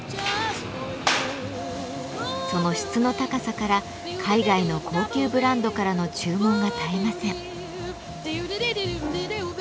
その質の高さから海外の高級ブランドからの注文が絶えません。